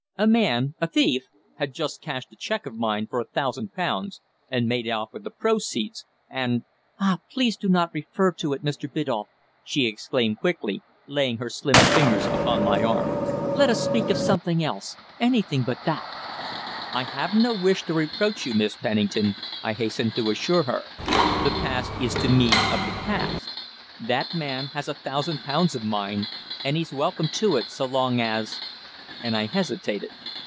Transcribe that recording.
A man a thief had just cashed a cheque of mine for a thousand pounds, and made off with the proceeds and " "Ah! please do not refer to it, Mr. Biddulph!" she exclaimed quickly, laying her slim fingers upon my arm. "Let us speak of something else anything but that." "I have no wish to reproach you, Miss Pennington," I hastened to assure her. "The past is to me of the past. That man has a thousand pounds of mine, and he's welcome to it, so long as " and I hesitated.